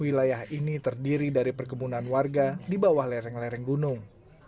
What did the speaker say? wilayah ini terdiri dari perkebunan warga di bawah lereng lereng gunung